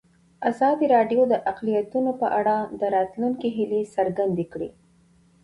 ازادي راډیو د اقلیتونه په اړه د راتلونکي هیلې څرګندې کړې.